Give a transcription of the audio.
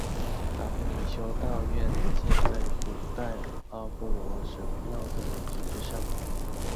达夫尼修道院建在古代阿波罗神庙的遗址之上。